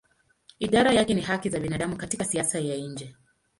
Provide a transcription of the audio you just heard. Idara yake ni haki za binadamu katika siasa ya nje.